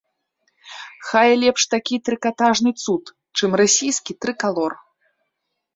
Хай лепш такі трыкатажны цуд, чым расійскі трыкалор.